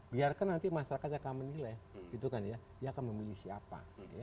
biarkan nanti masyarakat yang akan menilai dia akan memilih siapa